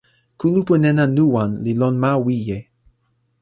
kulupu nena Nuwan li lon ma Wije.